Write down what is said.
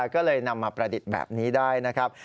ก็เลยนำมาประดิษฐ์แบบนี้ได้นะครับ